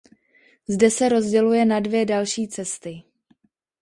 Zde se rozděluje na dvě další cesty.